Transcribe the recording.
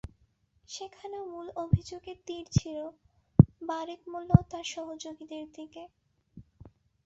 সেখানেও মূল অভিযোগের তির ছিল বারেক মোল্লা ও তাঁর সহযোগীদের দিকে।